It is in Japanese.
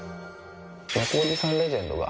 猫おじさんレジェンドが。